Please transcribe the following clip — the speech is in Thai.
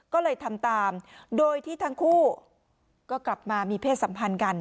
ก็เลยทำตามโดยที่ทั้งคู่ก็กลับมามีเพศสัมพันธ์กัน